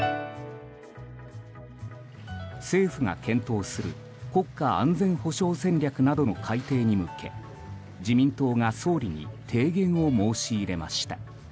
政府が検討する国家安全保障戦略などの改定に向け自民党が総理に提言を申し入れました。